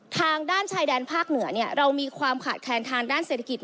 ทางด้านชายแดนภาคเหนือเรามีความขาดแคลนทางด้านเศรษฐกิจ